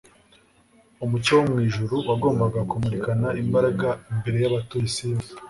Umucyo wo mu ijuru wagombaga kumurikana imbaraga imbere y'abatuye isi yose,